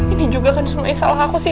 ini juga kan semuanya salah aku sih